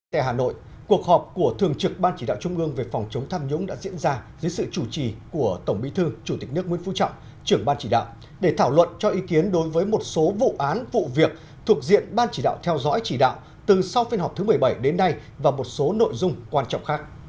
tại hà nội cuộc họp của thường trực ban chỉ đạo trung ương về phòng chống tham nhũng đã diễn ra dưới sự chủ trì của tổng bí thư chủ tịch nước nguyễn phú trọng trưởng ban chỉ đạo để thảo luận cho ý kiến đối với một số vụ án vụ việc thuộc diện ban chỉ đạo theo dõi chỉ đạo từ sau phiên họp thứ một mươi bảy đến nay và một số nội dung quan trọng khác